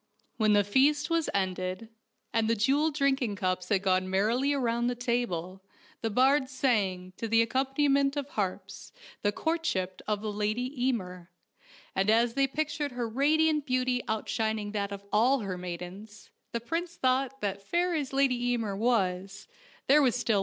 When the feast was ended, and the jeweled drinking cups had gone merrily around the table, the bards sang, to the accompaniment of harps, the " Courtship of the Lady Einier," and as they pictured her radiant beauty outshin ing that of all her maidens, the prince thought that fair as Lady Eimer was there was one still fairer.